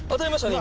今。